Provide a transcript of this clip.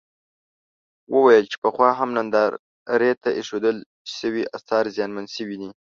وویل چې پخوا هم نندارې ته اېښودل شوي اثار زیانمن شوي دي.